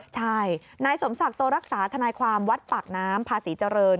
ใช่นายสมศักดิ์โตรักษาธนายความวัดปากน้ำพาศรีเจริญ